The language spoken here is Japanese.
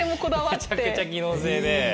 めちゃくちゃ機能性で。